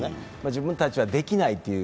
自分たちはできないという。